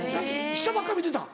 下ばっか見てたん？